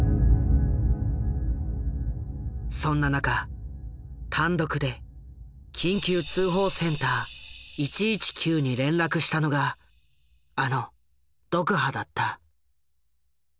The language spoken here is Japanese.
そんな中単独で緊急通報センター１１９に連絡したのがあのドクハだった。